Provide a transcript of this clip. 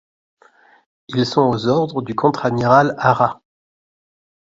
Ils sont aux ordres du contre-amiral Hara.